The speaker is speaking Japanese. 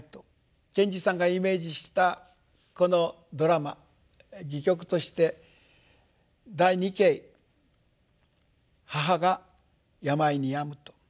賢治さんがイメージしたこのドラマ戯曲として第二景母が病にやむと。